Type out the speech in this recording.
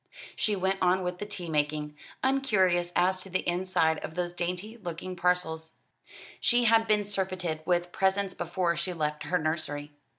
She went on with the tea making, uncurious as to the inside of those dainty looking parcels. She had been surfeited with presents before she left her nursery.